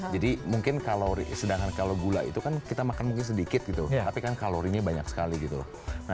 jadi mungkin kalau gula itu kan kita makan mungkin sedikit gitu tapi kan kalorinya banyak sekali gitu loh